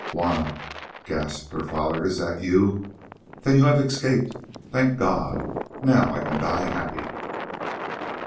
"Juanna," gasped her father, "is that you? Then you have escaped. Thank God! Now I can die happy."